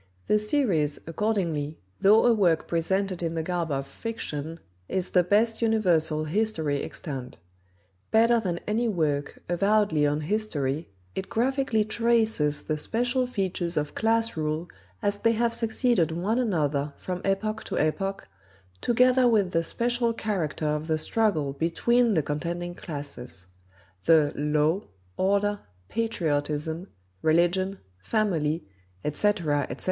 The series, accordingly, though a work presented in the garb of "fiction," is the best universal history extant: Better than any work, avowedly on history, it graphically traces the special features of class rule as they have succeeded one another from epoch to epoch, together with the special character of the struggle between the contending classes. The "Law," "Order," "Patriotism," "Religion," "Family," etc., etc.